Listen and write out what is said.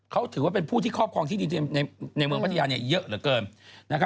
เขาถือว่าเป็นผู้ที่ครอบครองที่ดินในเมืองพัทยาเยอะเหลือเกิน